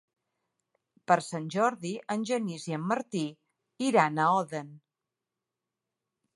Per Sant Jordi en Genís i en Martí iran a Odèn.